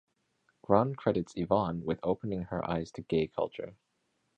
Grahn credits Yvonne with opening her eyes to gay culture.